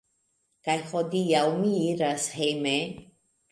Kaj hodiaŭ mi iras hejme